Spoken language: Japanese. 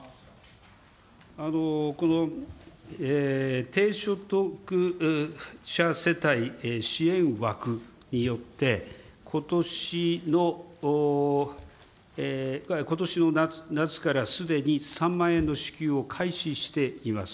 この低所得者世帯支援枠によって、ことしの、ことしの夏からすでに３万円の支給を開始しています。